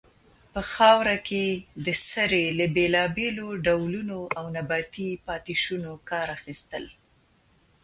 په خاوره کې د سرې له بیلابیلو ډولونو او نباتي پاتې شونو کار اخیستل.